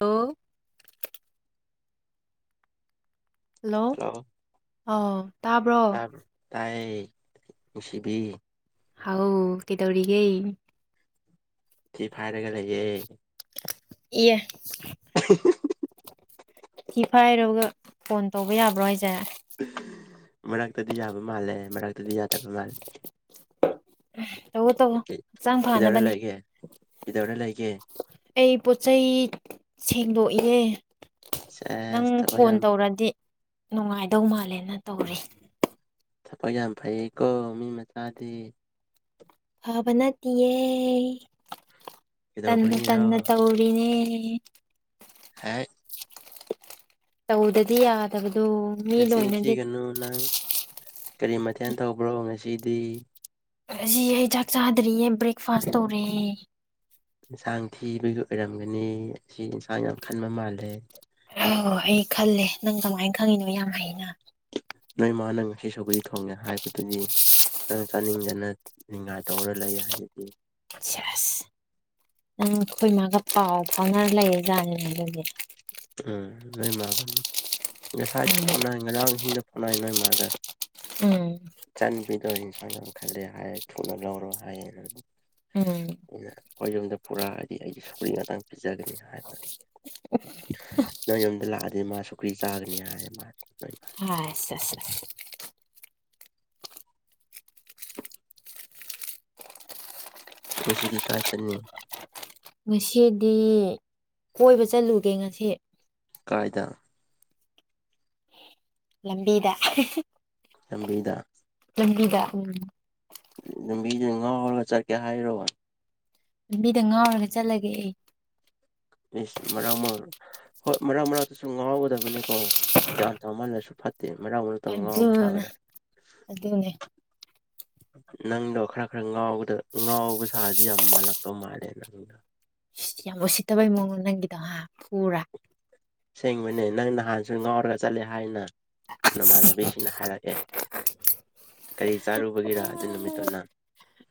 ꯇꯣ hello ꯑꯥꯎ ꯇꯥꯕ꯭ꯔꯣ ꯇ ꯇꯥꯏ ꯁꯤꯕꯤꯤ ꯍꯥꯎ ꯀꯩꯗꯧꯔꯤꯒꯦ ꯊ ꯐꯥꯏꯔꯦꯒ ꯂꯩꯒꯦ ꯑꯦꯏ [unintelligible] ꯏꯐꯥꯏꯔꯒ ꯐꯣꯟ ꯇꯧꯕ ꯌꯥꯕ꯭ꯔꯣ ꯍꯥꯏꯖꯔꯦ ꯃꯅꯥꯛꯇꯗꯤ ꯌꯥꯕ ꯃꯥꯜꯂꯦ ꯃꯅꯥꯛꯇꯗꯤ ꯌꯥꯗꯕ ꯃꯥꯜꯂꯦ ꯎꯝ ꯇꯧꯑꯣꯣ ꯇꯧꯑꯣꯣ ꯍꯛꯆꯥꯡ ꯀꯩꯗꯧꯔ ꯐꯅꯕꯅꯦ ꯂꯩꯒꯦ ꯀꯩꯗꯧꯔ ꯂꯩꯒꯦ ꯑꯩ ꯄꯣꯠꯆꯩ ꯁꯦꯡꯗꯣꯛꯏꯦ ꯑ ꯅꯪ ꯐꯣꯟ ꯇꯧꯔꯗꯤ ꯅꯨꯡꯉꯥꯏꯗꯧ ꯃꯥꯜꯂꯦꯅ ꯇꯧꯔꯤ ꯊꯐꯛ ꯌꯥꯝ ꯐꯩꯀꯣ ꯃꯤ ꯃꯆꯥꯗꯤ ꯐꯕ ꯅꯠꯇꯤꯌꯦ ꯇꯟꯅ ꯀꯩꯗꯧꯕꯒꯤꯔꯣ ꯇꯟꯅ ꯇꯧꯔꯤꯅꯦ ꯎ ꯍꯥꯏ ꯇꯧꯗꯗꯤꯗꯕ ꯃꯆꯤꯟ ꯊꯤꯒꯅꯨ ꯅꯪ ꯀꯔꯤ ꯃꯊꯦꯜ ꯇꯧꯕ꯭ꯔꯣ ꯉꯁꯤꯗꯤ ꯑꯁꯤ ꯑꯩ ꯆꯥꯛ ꯆꯥꯗꯔꯤꯌꯦ ꯕ꯭ꯔꯦꯛꯐꯥꯁ ꯇꯧꯔꯦꯦ ꯏꯟꯁꯥꯡ ꯊꯤꯕꯒꯤ ꯑꯣꯏꯔꯝꯒꯅꯤ ꯑꯁꯤ ꯏꯟꯁꯥꯡ ꯌꯥꯝ ꯈꯟꯕ ꯃꯥꯜꯂꯦ ꯑꯣ ꯑꯩ ꯈꯜꯂꯦ ꯅꯪ ꯀꯃꯥꯏꯅ ꯈꯪꯉꯤꯅꯣ ꯌꯥꯝ ꯍꯅ ꯅꯣꯏ ꯃꯥꯅ ꯉꯁꯤ ꯁꯒꯔꯤ ꯈꯪꯉꯦ ꯍꯥꯏꯕꯗꯨꯗꯤ ꯪ ꯆꯥꯅꯤꯡꯗꯅ ꯅꯤꯡꯈꯥꯏ ꯇꯧꯔ ꯂꯩ ꯍꯥꯏꯗꯤ ꯁꯦꯁ ꯅꯪ ꯑꯩꯈꯣꯏ ꯏ ꯃꯥꯒ ꯄꯥꯎ ꯐꯥꯎꯅꯔ ꯂꯩꯌꯦꯖꯥꯠꯅꯦ ꯍꯥꯏꯒꯤ ꯎꯝ ꯂꯩ ꯃꯥ ꯉꯁꯥꯏꯁꯨ ꯐꯅ ꯉꯔꯥꯡꯁꯤꯡꯗ ꯥꯏ ꯅꯣꯏ ꯃꯥꯒ ꯎꯝ ꯆꯥꯟꯕꯤꯗꯣ ꯏꯟꯁꯥꯡ ꯌꯥꯝ ꯈꯂꯦ ꯍꯥꯏ ꯊꯨꯅ ꯂꯧꯔꯣ ꯍꯥꯏꯌꯦ ꯑꯩꯅ ꯎꯝ ꯑꯩꯈꯣꯏ ꯌꯨꯝꯗ ꯄꯨꯔꯥ ꯍꯥꯏꯗꯤ ꯑꯩꯒꯤ ꯁꯧꯔꯤ ꯉꯥꯛꯇꯥꯡ ꯄꯤꯖꯒꯅꯤ ꯍꯥꯏꯕ ꯅꯪ ꯌꯨꯝꯝꯗ ꯂꯥꯛꯑꯗꯤ ꯃꯥ ꯁꯨꯀ꯭ꯔꯤ ꯆꯥꯒꯅꯤ ꯍꯥꯏꯌꯦ ꯃꯥ ꯑ ꯑ ꯃꯤꯁꯤꯗꯤ ꯀꯥ ꯆꯜꯅꯤ ꯉꯁꯤꯗꯤ ꯀꯣꯏꯕ ꯆꯠꯂꯨꯒꯦ ꯉꯁꯤ ꯀꯥꯏꯗ ꯂꯝꯕꯤꯤꯗ ꯂꯝꯕꯤꯗ ꯂꯝꯕꯤꯗ ꯎꯝ ꯂꯝꯕꯤꯁꯦ ꯉꯥꯎꯔꯒ ꯆꯠꯀꯦ ꯍꯥꯏꯔꯣꯕ ꯂꯝꯕꯤꯗ ꯉꯥꯎꯔꯒ ꯆꯠꯂꯒꯦ ꯑꯩ ꯏꯁꯁ ꯃꯔꯥꯡ ꯃꯔ ꯍꯣꯏ ꯃꯔꯥꯡ ꯃꯔꯥꯛꯛꯇꯁꯨ ꯉꯥꯎꯒꯗꯕꯅꯤꯀꯣ ꯒ꯭ꯌꯥꯟ ꯇꯧꯃꯜꯂꯁꯨ ꯐꯠꯇꯦ ꯃꯅꯥ ꯃꯔ ꯃꯇꯝ ꯉꯥꯎ ꯑꯃꯨ ꯑꯗꯨꯅ ꯁꯥꯒꯗ ꯑꯗꯨꯅꯦ ꯅꯪꯗꯣ ꯈꯔ ꯈꯔ ꯉꯥꯎꯕꯗ ꯉꯥꯎꯕ ꯁꯥꯗꯤ ꯌꯥꯝ ꯃꯥꯜꯂꯛꯄ ꯃꯥꯜꯂꯦ ꯅꯪꯗ ꯌꯥꯝ ꯎꯁꯤꯠꯇꯕꯩ ꯃꯑꯣꯡꯣ ꯅꯪꯒꯤꯗꯣ ꯍꯥꯥ ꯐꯔꯥ ꯁꯦꯡꯕꯅꯦ ꯅꯪ ꯅꯍꯥꯟꯁꯨ ꯉꯥꯎꯔꯒ ꯆꯠꯂꯦ ꯍꯥꯏꯅ ꯅꯃꯥꯟꯅꯕꯤꯁꯤꯡꯅ ꯍꯥꯏꯔꯛꯑꯦ ꯀꯔꯤ ꯆꯥꯔꯨꯕꯒꯤꯦꯔꯥ ꯑꯗꯨ ꯎꯝ. ꯅꯨꯃꯤꯠꯇꯣ ꯅꯍꯥꯟ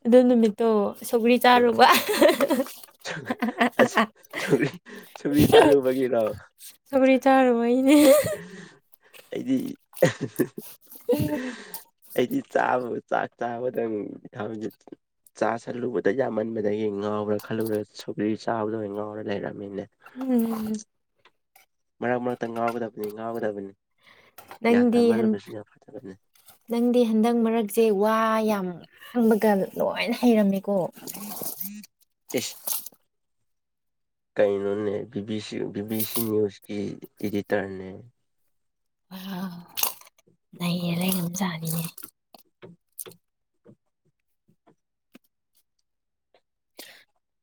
ꯑꯗꯨ ꯅꯨꯃꯤꯠꯇꯣ ꯁꯧꯒ꯭ꯔꯤ ꯆꯥꯔꯨꯕ ꯆꯔꯤ ꯆꯔꯨ ꯒꯤꯔꯣ ꯆꯧꯔꯤ ꯆꯥꯔ ꯋꯥꯏꯅꯦ ꯑꯩꯗꯤ ꯑꯩꯗꯤ ꯆꯥꯕ ꯆꯥꯛ ꯆꯥꯕꯗꯪ ꯊ ꯆꯥ ꯁꯜꯂꯨꯕꯗ ꯌꯥꯝꯃꯟꯕꯗꯒꯤ ꯉꯥꯎꯔꯥ ꯈꯜꯂꯨꯔ ꯁꯨꯒꯔꯤ ꯆꯥꯕꯗ ꯑꯣꯏꯅ ꯉꯥꯎꯔ ꯂꯩꯔꯒ ꯎꯝ ꯃꯔꯛ ꯃꯔꯛꯇ ꯉꯥꯎꯒꯗꯕꯅꯤ ꯉꯥꯎꯒꯗꯕꯅꯤ ꯒ꯭ꯌꯥꯟ ꯅꯪꯗꯤ ꯍꯟ- ꯇꯥꯍꯜꯂꯨꯕꯁꯤ ꯌꯥꯝ ꯐꯖꯕꯅꯤ ꯅꯪꯗꯤ ꯍꯟꯗꯛ ꯃꯔꯛꯁꯦ ꯋꯥ ꯌꯥꯝ ꯍꯪꯕꯒ ꯂꯣꯏꯅ ꯍꯩꯔꯝꯃꯤꯀꯣ ꯏꯁ ꯀꯥꯏꯅꯅꯦ ꯕꯤꯕꯤ ꯁꯤ ꯅ꯭ꯨꯖꯀꯤ ꯑꯦꯗꯤꯇꯔꯅꯦ ꯅꯌꯦ ꯂꯩ ꯑꯗꯨꯝ ꯆꯥꯅꯤꯅꯦ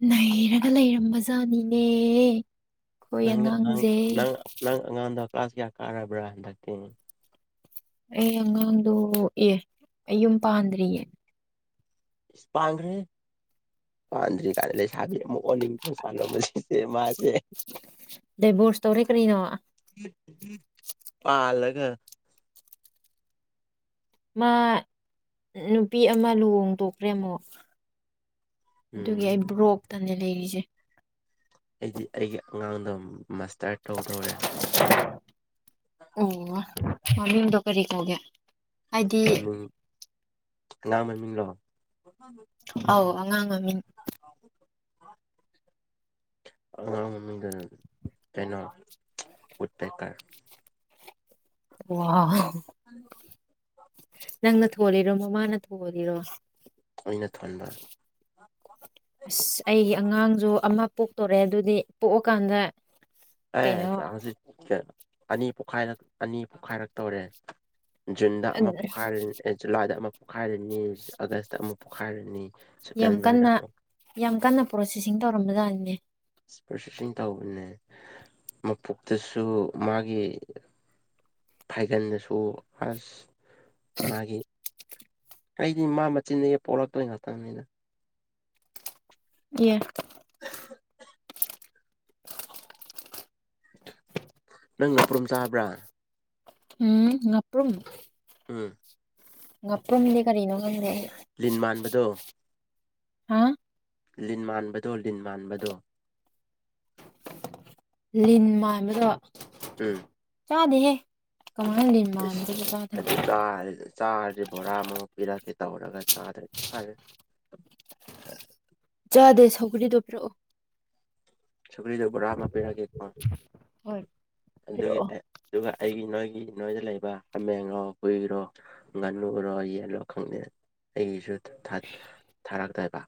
ꯅꯩꯔꯒ ꯂꯩꯔꯝꯕ ꯖꯥꯠꯅꯤꯅꯦ ꯅꯪ ꯅꯪ ꯅꯪ ꯑꯉꯥꯡꯗ ꯀ꯭ꯂꯥꯁ ꯀꯌꯥ ꯀꯥꯔꯕ꯭ꯔꯥ ꯍꯟꯗꯛꯇꯤ ꯑꯩ ꯑꯉꯥꯡꯗ ꯑꯦ ꯑꯩ ꯌꯨꯝ ꯄꯥꯟꯗ꯭ꯔꯤꯌꯦ ꯏꯁꯄꯥꯒ꯭ꯔꯦ ꯄꯗ꯭ ꯀꯥꯗ ꯂꯩꯁ ꯑꯣꯀ ꯆꯂꯣ ꯃꯥꯁꯦ ꯗꯥꯏꯚꯣꯔꯁ ꯇꯧꯔꯦ ꯀꯔꯤꯅꯣ ꯄꯂꯒ ꯑꯦ ꯃꯥ ꯅꯨꯄꯤ ꯑꯃ ꯂꯨꯍꯣꯡ ꯇꯣꯛꯈ꯭ꯔꯦꯃꯣ ꯑꯗꯨꯒꯤ ꯎꯝ ꯑꯩ ꯕ꯭ꯔꯣꯛꯇꯟꯅꯦ ꯂꯩꯔꯤꯁꯦ ꯑꯩꯗꯤ ꯑꯩꯒꯤ ꯑꯉꯥꯡꯗꯣ ꯃꯁ ꯑꯣ ꯃꯃꯤ ꯍꯗ ꯀꯔꯤ ꯇꯒꯦ ꯑꯩꯗꯤ ꯀ ꯃꯃꯤꯡꯂꯣ ꯑꯥꯎ ꯑꯉꯥꯡꯉꯥꯡ ꯃꯤ [inaudible] ꯑꯗꯅ ꯎꯠꯦꯀꯥ ꯋꯥꯎ꯫ ꯫ ꯅꯪꯅ ꯊꯣꯜꯂꯤꯔꯣ ꯃꯃꯥꯅ ꯊꯣꯜꯂꯤꯔꯣ꯫ ꯑꯩꯅ ꯊꯣꯟꯕ ꯑꯁ ꯑꯩꯒꯤ ꯑꯉꯥꯡꯁꯨ ꯑꯃ꯫ ꯄꯣꯛꯇꯣꯔ‌ꯦ ꯑꯗꯨꯗꯤ ꯄꯣꯛꯑꯀꯥꯟꯗ꯫ ꯑꯦ ꯀꯩꯅꯣ ꯍꯧꯖꯤꯛ ꯑꯅꯤ ꯄꯣꯛꯈꯥꯏꯔ ꯑꯅꯤ ꯄꯣꯛꯈꯥꯏꯔꯛꯇꫭꯔꯦ꯫ ꯖꯨꯟꯗ ꯑꯃ ꯄꯣꯛꯈꯥꯏꯔ ꯑ‌ꯦ ꯖꯨꯂꯥꯏꯗ ꯑꯃ ꯄꯣꯛꯈꯥꯏꯔꯅꯤ ꯑꯥꯒꯁꯇ ꯑꯃ ꯄꯣꯛꯈꯥꯏꯔꯅꯤ꯫ ꯌꯥꯝ ꯁꯦꯞꯇꯦꯝꯕꯔꯗ ꯀꯟꯅ ꯑꯃꯨꯛ ꯌꯥꯝ ꯀꯟꯅ ꯄ꯭ꯔꯣꯁꯦꯁꯤꯡ ꯇꯧꯔꯝꯕꯖꯥꯠꯅꯤꯅꯦ꯫ ꯄ꯭ꯔꫭꯁꯦꯁꯤꯡ ꯇꯧꯕꯅꯦ ꯃꯄꯨꯛꯇꯁꯨ ꯃꯥꯒꯤ꯫ ꯐꯩꯒꯟꯗꯁꯨ ꯑꯁ ꯃꯥꯒꯤ꯫ ꯑꯩꯗꯤ ꯃꯥ ꯃꯆꯤꯟꯗꯒꯤ ꯄꯣꯛꯂꯛꯇꯣꯏ ꯅꯠꯇꯝꯅꯤꯅ꯫ ꯌꯦ꯫ ꯫ ꯅꯪ ꯉꯥꯄ꯭ꯔꯨꯝ ꯆꯥꯕ꯭ꯔꯥ꯫ ꯎꯝ ꯉꯥꯄ꯭ꯔꯨꯝ꯫ ꯎꯝ꯫ ꯉꯥꯄ꯭ꯔꯨꯝꯗꯤ ꯀꯔꯤꯅꯣ꯫ ꯈꯪꯗꯦ ꯂꯤꯟ ꯃꯥꯟꯕꯗꯣ꯫ ꯍꯥꯥ꯫ ꯂꯤꯟ ꯃꯥꯟꯕꯗꯣ ꯂꯤꯟ ꯃꯥꯟꯕꯗꯣ꯫ ꯂꯤꯟ ꯃꯥꯟꯕꯗꯣ ꯆꯥꯗꯦꯍꯦ꯫ ꯀꯃꯥꯏꯅ ꯂꯤꯟ ꯑꯁ ꯃꯥꯟꯕꯗꯨꯕꯨ ꯆꯥꯗꯣꯏꯅꯣ ꯑꯗꯨ ꯆꯥꯔꯗꯤ ꯆꯥꯔꯗꯤ ꯕꫭꯔꯃꯨꯛ ꯄꯤꯔꯛꯀ‌ꯦ ꯫ ꯇꯧꯔꯒ ꯆꯥꯔꯗ꯭ꯔꯥ ꯐꯔꯦ꯫ ꯑꯗꫭꯏ ꯁꯧꯒ꯭ꯔꯤꯗꯣ ꯄꯤꯔꯛꯑꯣ꯫ ꯁꯧꯀ꯭ꯔꯤꯗꫭ ꯕꫭꯔꯥ ꯑꯃ ꯄꯤꯔꯒꯦꯀꯣ ꯍꯣꯏ ꯑꯗꯨꯒꯤ ꯄꯤꯔꯛꯑꯣ ꯑꯗꯨꯒ ꯑꯩꯒꯤ ꯅꯣꯏꯒꯤ꯫ ꯅꯣꯏꯗ ꯂꯩꯕ ꯍꯥꯃꯦꯔꯣ ꯍꯨꯏꯔꯣ ꯉꯥꯅꯨꯔꯣ ꯌꯦꯟꯂꯣ ꯈꯪꯗꯦ ꯑꯩꯒꯤꯁꯨ꯫ ꯊꯥ ꯊꯥꯔꯛꯇꯕ꯫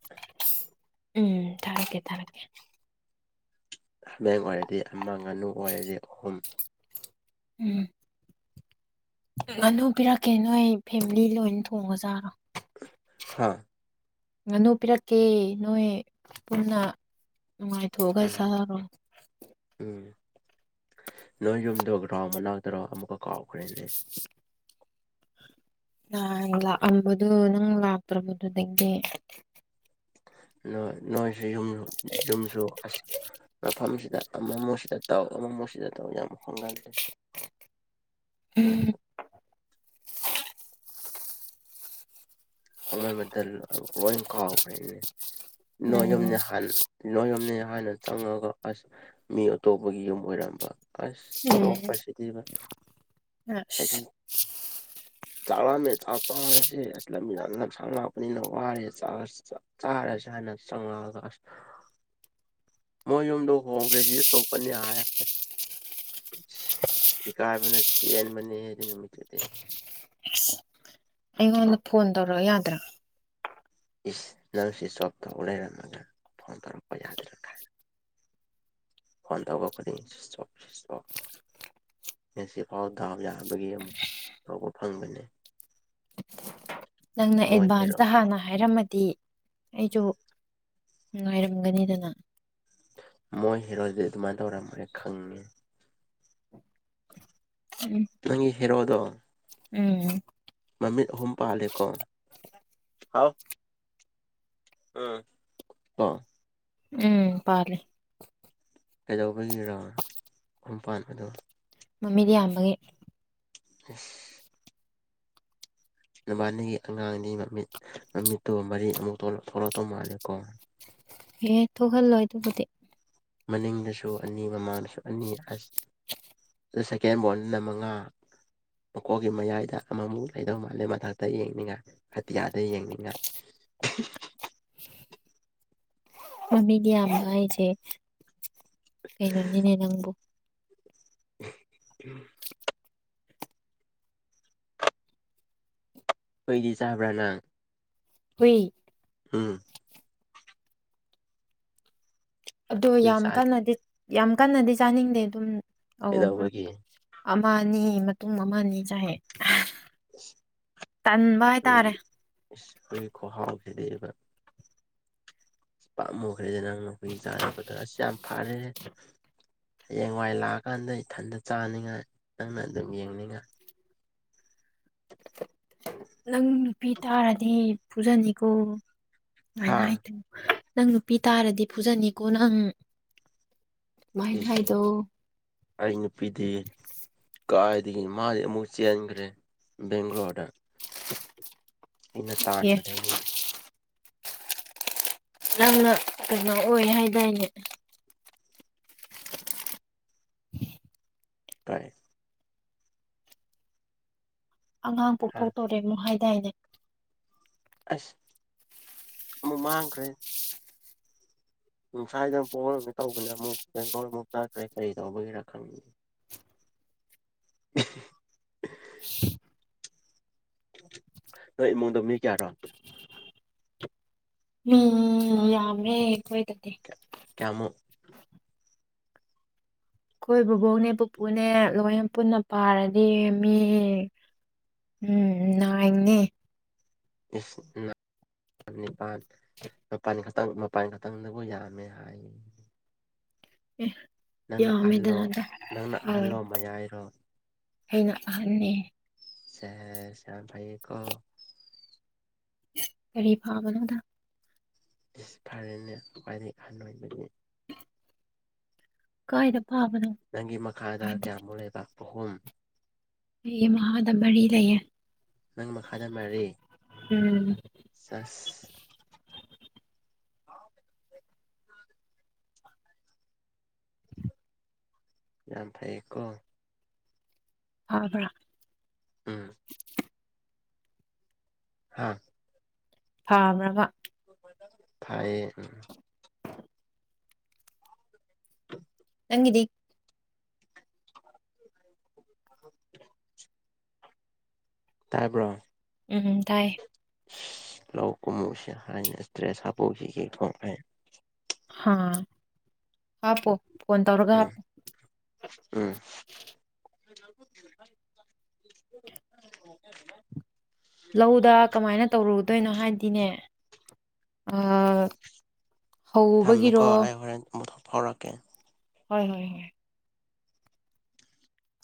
ꯎꯝ ꯊꯥꯔꯛꯀꯦ ꯊꯥꯔꯛꯀꯦ꯫ ꯍꯥꯃꯦꯡ ꯑꯣꯏꯔꯗꯤ ꯑꯃ ꯉꯥꯅꯨ ꯑꯣꯏꯔꯗꯤ ꯑꯍꯨꯝ꯫ ꯎꯝ꯫ ꯉꯥꯅꯨ ꯄꯤꯔꯛꯀꯦ ꯅꯣꯏ ꯐꯦꯃꯤꯂꯤ ꯂꯣꯏꯟ ꯊꯣꯡꯉꯆꯥꯔꯣ꯫ ꯍꯥꯥ꯫ ꯉꯥꯅꯨ ꯄꯤꯔꯛꯀꯦ ꯅꯣꯏ ꯄꯨꯟꯅ꯫ ꯅꯨꯡꯉꯥꯏꯊꫭꯛ ꯑꯒ ꯎꯝ ꯁꯥꯔꫭ꯫ ꯎꯝ ꯅꯣꯏ ꯌꯨꯝꯗ ꯒ꯭ꯔꯥꯎꯟ ꯃꯅꯥꯛꯇꯔꫭ ꯑꯃꯨꯛꯀ ꯀꯥꯎꯈ꯭ꯔꯦꯅꯦ꯫ ꯅꯍꯥꯟ ꯂꯥꯛꯑꯝꯕꯗꫭ ꯅꯪ ꯂꯥꯛꯇ꯭ꯔꯕꯗꯨꯗꯒꯤ꯫ ꯅꯣꯏꯁꯨ ꯌꯨꯝ ꯌꯨꯝꯁꯨ ꯑꯁ꯫ ꯃꯐꯝꯁꯤꯗ ꯑꯃꯃꫭꯛꯁꯤꯗ ꯇꯥꯎ ꯑꯃꯃꫭꯛꯁꯤꯗ ꯇꯧ ꯌꯥꯝ ꯍꯣꯡꯒꯜꯂ‌ꯦ꯫ ꯎꯝ ꯅꫭꯏꯁꯨ꯫ ꯍꫭꯡꯃꯟꯕꯗ ꯂꫭꯏꯟ ꯀꯥꯎꯈ꯭ꯔ‌ꯦꯅ‌ꯦ꯫ ꯅꫭꯏ ꯎꯝ ꯌꯨꯝꯅꯦꯍꯜ ꯅꫭꯏ ꯌꯨꯝꯅꯤꯌꯥ꯫ ꯍꯥꯟꯅ ꯆꯪꯉꯒ ꯑꯁ ꯃꯤ ꯑꯇꯣꯞꯄꯒꯤ ꯌꯨꯝ ꯑꯣꯏꯔꯝꯕ꯫ ꯑꯁ ꯆꯣꯞ ꯄꯁꯤꯗꯤꯕ꯫ ꯫ ꯆꯥꯛꯂꯥꯝꯃꯦ ꯆꯥꯛꯆꯔꯁꯦ ꯑꯁꯂꯃꯤꯅꯥ꯫ ꯂꯝꯁꯥꯡ ꯂꯥꯛꯄꯅꯤꯅ ꯋꯥꯔꯦ ꯆꯥꯔꯁ‌ꯦ ꯆꯥꯛ ꯀꯔꯆ‌ꯦ ꯍꯥꯏꯅ ꯆꯪꯉꯛꯑꯁ꯫ ꯃꯣꯏ ꯌꯨꯝꯗꯣ ꯍꯣꯡꯈ꯭ꯔꯦ ꯁꯤꯗꯤ ꯇꯣꯞꯄꯅꯤ ꯍꯥꯏꯔ ꯑꯁ꯫ ꯏꯀꯥꯏꯕꯅ ꯆ‌ꯦꯟꯕꯅ‌ꯦ ꯑꯩꯗꯤ ꯅꯨꯃꯤꯠꯇꯨꯗꯤ꯫ ꯫ ꯑꯩꯉꯣꯟꯗ ꯐꯣꯟ ꯇꯧꯔꫭꯛ ꯌꯥꯗ꯭ꯔꫭ꯫ ꯏꯁ ꯅꯪ ꯁꯤ ꯁꯣꯞꯇꯣ ꯂꯩꯔꯝꯃꯒ ꯐꯣꯟ ꯇꯧꯔꯛꯄ ꯌꯥꯗ꯭ꯔ ꯍꯟꯗ ꯀꯈꯅꯤꯁ ꯁꯁ ꯉꯁꯤꯐꯥꯎ ꯇꯥꯕ ꯌꯥꯕꯒꯤ ꯑꯃꯨꯛ ꯇꯧꯕ ꯐꯪꯕꯅꯦ ꯅꯪꯅ ꯃꯣꯏ ꯍꯦꯔꯣ ꯑꯦꯗꯚꯥꯟꯁꯇ ꯍꯥꯟꯅ ꯍꯥꯏꯔꯝꯃꯅꯤ ꯗꯤ ꯑꯩꯁꯨ ꯅꯨꯡꯉꯥꯏꯔꯝꯒꯅꯤꯗꯅ ꯃꯣꯏ ꯍꯦꯔꯣꯖꯤꯗꯤ ꯑꯗꯨꯃꯥꯏꯅ ꯇꯧꯔꯝꯃꯣꯏ ꯈꯪꯉꯦ ꯎꯝ ꯅꯪꯒꯤ ꯍꯦꯔꯣꯗꯣ ꯎꯝ ꯃꯃꯤ ꯍꯝ ꯄꯍꯂ ꯀꯣꯟ ꯍꯥꯎ ꯑ ꯑ ꯎꯝ ꯄꯥꯔꯦ ꯀꯩꯗꯧꯕꯒꯤ ꯔꯥꯎꯟ ꯀꯨꯝꯄꯥꯟ ꯑꯗꯣ ꯃꯃꯤꯗꯤ ꯌꯥꯝꯌꯥꯝꯕꯒꯤꯦ ꯎ ꯅꯨꯕꯥꯅꯤꯒꯤ ꯑꯉꯥꯡꯅꯤ ꯃꯃꯤꯠ ꯃꯃꯤꯠꯇꯣ ꯃꯔꯤ ꯑꯃꯨꯛ ꯊꯣꯛꯂꯛꯛꯇꯧ ꯃꯥꯜꯂꯦꯀꯣ ꯑꯦ ꯊꯣꯛꯍꯜꯂꯣꯏ ꯑꯗꯨꯕꯨꯗꯤ ꯃꯅꯤꯡꯗꯁꯨ ꯑꯅꯤ ꯃꯃꯥꯅꯁꯨ ꯑꯅꯤ ꯑꯁ ꯑꯗꯨ ꯁꯦꯀꯦꯟ ꯕꯣꯜꯅ ꯃꯉꯥ ꯃꯀꯣꯛꯒꯤ ꯃꯌꯥꯏꯗ ꯑꯃꯃꯨꯛ ꯂꯩꯗꯧ ꯃꯥꯜꯂꯦ ꯃꯊꯛꯇ ꯌꯦꯡꯅꯤꯡꯉꯥꯏ ꯑꯇꯤꯌꯥꯗ ꯌꯦꯡꯅꯤꯡꯉꯥꯏ [unintelligible] ꯃꯃꯤꯗꯤ ꯌꯥꯝꯕ ꯍꯥꯏꯁꯦ ꯀꯩꯅꯣꯅꯤꯅꯦ ꯅꯪꯕꯨ ꯎꯝ ꯐꯩꯗꯤ ꯆꯕ꯭ꯔꯥ ꯅꯪ ꯍꯨꯏ ꯑꯝ ꯑꯣ ꯍꯨꯏ ꯌꯥꯝ ꯆꯥ ꯀꯟꯅꯗꯤ ꯌꯥꯝ ꯀꯟꯅꯗꯤ ꯆꯥꯅꯤꯡꯗꯦ ꯑꯗꯨꯝ ꯑ ꯃꯔꯛ ꯀꯩꯗꯧꯕꯒꯤ ꯑꯃ ꯑꯅꯤ ꯃꯇꯨꯡ ꯑꯃꯅꯤ ꯆꯥꯏꯍꯦ ꯈꯍꯥꯎ ꯈꯦꯗꯕ ꯄꯥꯝꯃꯨꯈ꯭ꯔꯦꯗ ꯅꯪ ꯅꯈꯣꯏꯒꯤ ꯏ ꯆꯥꯗ ꯄ꯭ꯔꯗ ꯑꯁ ꯌꯥꯝ ꯐꯥꯔꯦ ꯍꯌꯦꯡꯋꯥꯏ ꯂꯥꯛꯑꯀꯥꯟꯗ ꯏꯊꯟꯇ ꯆꯥꯅꯤꯡꯉꯥꯏ ꯅꯪꯅ ꯑꯗꯨꯝ ꯌꯦꯡꯅꯤꯡꯉꯥꯏ [unintelligible] ꯅꯪ ꯅꯨꯄꯤ ꯇꯥꯔꯗꯤ ꯐꯨꯖꯅꯤꯀꯣ ꯍꯥ ꯁꯨꯃꯥꯏꯅ ꯍꯥꯏꯇꯣꯏꯅ ꯅꯪ ꯅꯨꯄꯤ ꯇꯥꯔꯗꯤ ꯐꯨꯖꯅꯤꯀꯣ ꯅꯪ ꯁꯨꯃꯥꯏꯅ ꯏꯁ ꯍꯥꯏꯗꯣ ꯑꯩ ꯅꯨꯄꯤꯗꯤ ꯀꯥꯏꯗꯒꯤ ꯃꯥꯨꯛ ꯆꯦꯟꯦꯟꯈ꯭ꯔꯦ ꯕꯦꯡꯒ꯭ꯂꯣꯔꯗ ꯑꯩꯅ ꯑꯦ ꯇꯥꯟꯕꯗꯒꯤ ꯅꯪꯅ ꯀꯩꯅꯣ ꯑꯣꯏ ꯍꯥꯏꯗꯥꯏꯅꯦ ꯇ ꯑꯉꯥꯡ ꯍꯥ ꯄꯣꯛꯊꯣꯛꯇꯣꯔꯦ ꯃꯨ ꯍꯥꯏꯗꯥꯏꯅꯦ ꯑꯁ ꯑꯃꯨꯛ ꯃꯥꯡꯈ꯭ꯔꯦ ꯁ꯭ꯋꯥꯏꯗ ꯕꯣꯜ ꯑꯣꯏꯅ ꯇꯧꯕꯅ ꯑꯃꯨꯛ ꯕꯦꯡꯒ꯭ꯂꯣꯔ ꯑꯃꯨꯛ ꯆꯠꯈ꯭ꯔꯦ ꯀꯔꯤ ꯇꯧꯕꯒꯤꯦꯔꯥ ꯈꯪ [unintelligible] ꯅꯣꯏ ꯏꯃꯨꯡꯗ ꯃꯤ ꯀꯌꯥꯔꯣ ꯃꯤ ꯌꯥꯝꯃꯦ ꯑꯩꯈꯣꯏꯗꯗꯤ ꯀꯌꯥꯃꯨꯛ ꯑꯩꯈꯣꯏ ꯕꯣꯕꯣꯛꯅꯦ ꯄꯨꯄꯨꯅꯦ ꯂꯣꯏꯅ ꯄꯨꯟꯅ ꯄꯥꯔꯗꯤꯃꯤ ꯎꯝ ꯅꯥꯏꯟꯅꯤ ꯏꯁ ꯅꯥ ꯅꯤꯄꯥꯥꯟ ꯃꯄꯥꯟ ꯈꯛꯇꯪ ꯃꯄꯥꯟ ꯈꯛꯇꯪꯗꯕꯨ ꯌꯥꯝꯃꯦ ꯍꯥꯏ ꯑꯦ ꯅꯪꯅ ꯑꯍꯜꯂꯣ ꯌꯥꯃꯦꯗꯅ ꯗꯣ ꯅꯪꯅ ꯑ ꯑꯍꯜꯂꯣ ꯃꯌꯥꯏꯔꯣ ꯑꯩꯅ ꯑꯍꯅꯤ ꯁꯦꯁ ꯌꯥꯝ ꯐꯩꯏ ꯀꯣ ꯀꯔꯤ ꯐꯕꯗ ꯐꯔꯦꯅꯦ ꯍꯥꯏꯗꯤ ꯍꯟ ꯑꯣꯏꯕꯗꯤ ꯀꯥꯏꯗ ꯐꯥꯕꯅꯣ ꯅꯪꯒꯤ ꯃꯈꯥꯗ ꯀꯌꯥꯃꯨꯛ ꯂꯩꯕ ꯑꯍꯨꯝ ꯑꯩ ꯃꯈꯗ ꯃꯔꯤ ꯂꯩꯌꯦ ꯅꯪ ꯃꯈꯥꯗ ꯃꯥꯔꯦ ꯎꯝ ꯆꯁ [inaudible] [inaudible] ꯌꯥꯝ ꯐꯩꯀꯣ ꯇꯕꯔ ꯎꯝ ꯍꯥꯥ ꯊꯥ ꯃ [unintelligible] ꯐꯥꯏꯌꯦ ꯎꯝ ꯗꯤ [inaudible] [inaudible] ꯇꯥꯕ꯭ꯔꯣ ꯎꯝꯝ ꯇꯥꯏꯌꯦ ꯂꯧ ꯀꯨꯝꯃꯨꯁꯦ ꯍꯥꯏꯅ ꯏꯁꯇ꯭ꯔꯦꯁ ꯍꯥꯄꯧꯁꯤ ꯌꯦꯛꯊꯣꯡꯈꯦ ꯍꯥꯥ ꯍꯥꯞꯄꯣ ꯐꯣꯟ ꯇꯧꯔꯒ ꯍꯥ ꯎꯝ ꯎꯝ [inaudible] [inaudible] ꯂꯧꯗ ꯀꯃꯥꯏꯅ ꯇꯧꯔꯨꯗꯣꯏꯅꯣ ꯍꯥꯏꯅꯗꯤꯅꯦ ꯑ ꯊꯝꯃꯦꯀꯣ ꯑꯩ ꯍꯣꯔꯦꯟ ꯃꯨꯊꯣꯛ ꯐꯥꯎꯔꯛꯀꯦ ꯍꯣꯏ ꯍꯣꯏ ꯍꯣꯏ